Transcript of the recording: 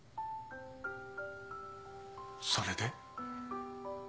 それで？